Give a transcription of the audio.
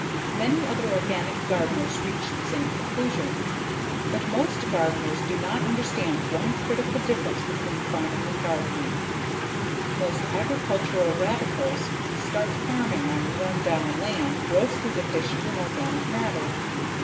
Many other organic gardeners reach the same conclusion. But most gardeners do not understand one critical difference between farming and gardening: most agricultural radicals start farming on run down land grossly deficient in organic matter.